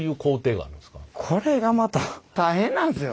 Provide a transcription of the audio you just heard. これがまた大変なんですよ。